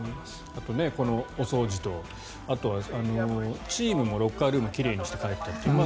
あとこのお掃除とあとはチームのロッカールームを奇麗にして帰ったという。